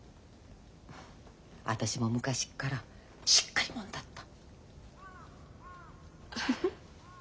私も昔っからしっかり者だった。